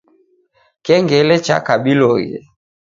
Kengele chakabiloghe